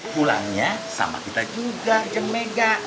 pulangnya sama kita juga yang mega